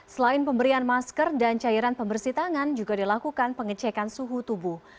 selain pemberian masker dan cairan pembersih tangan juga dilakukan pengecekan suhu tubuh